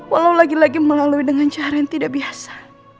walau lagi lagi melalui dengan cara yang tidak biasa